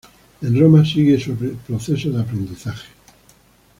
En Roma, siguió su proceso de aprendizaje.